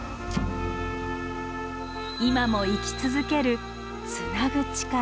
今も生き続けるつなぐ力。